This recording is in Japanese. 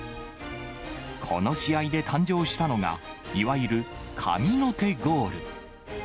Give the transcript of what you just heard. この試合で誕生したのが、いわゆる神の手ゴール。